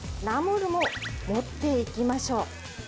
ナムルも持っていきましょう。